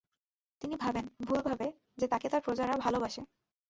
তিনি ভাবেন, ভুলভাবে, যে তাকে তার প্রজারা ভালোবাসে।